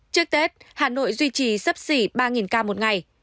trước tết hà nội duy trì sấp xỉ ba ca một ngày